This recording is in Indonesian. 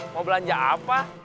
mau belanja apa